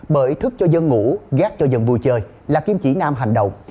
bởi thức cho dân ngủ ghét cho dân vui chơi là kiêm chỉ nam hành động